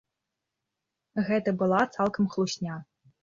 Гэта была цалкам хлусня.